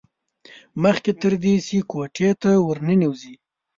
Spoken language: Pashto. مخکې تر دې چې کوټې ته ور ننوځي.